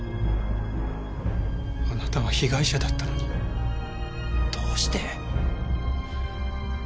あなたは被害者だったのにどうして？